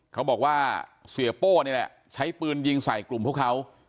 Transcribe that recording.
เขาบอกว่าเสียโป้นี่แหละใช้ปืนยิงใส่กลุ่มพวกเขา